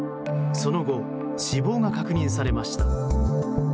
その後、死亡が確認されました。